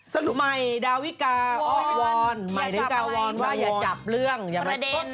สรุปไม่ดาวิกาวอนไม่ดาวิกาวอนว่าอย่าจับเรื่องอย่ามาประเด็น